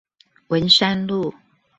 文山路